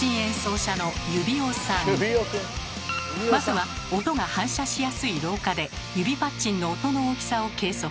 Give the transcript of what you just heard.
まずは音が反射しやすい廊下で指パッチンの音の大きさを計測。